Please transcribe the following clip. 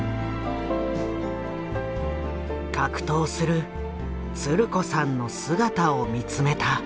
格闘するつる子さんの姿を見つめた。